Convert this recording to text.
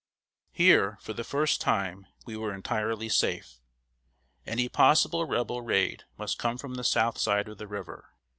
Here, for the first time, we were entirely safe. Any possible Rebel raid must come from the south side of the river.